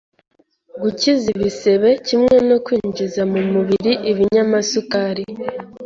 gukiza ibisebe kimwe no kwinjiza mu mubiri ibinyamasukari